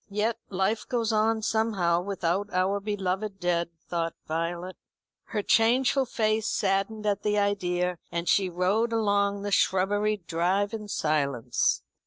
"Yet life goes on somehow without our beloved dead," thought Violet. Her changeful face saddened at the idea, and she rode along the shrubberied drive in silence.